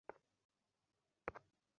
মিথ্যা করে বলবে, বাবা বাড়ি নেই।